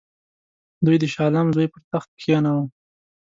دوی د شاه عالم زوی پر تخت کښېناوه.